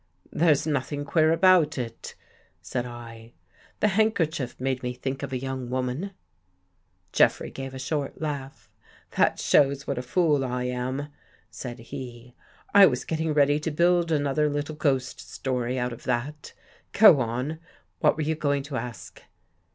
" There's nothing queer about it," said I. " The handkerchief made me think of a young woman." Jeffrey gave a short laugh. " That shows what a fool I am," said he. " I was getting ready to build another little ghost story out of that. Go on I What were you going to ask?